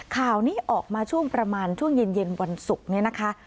ข่าวนี้ออกมาช่วงประมาณช่วงเย็นวันศุกร์นี้นะคะ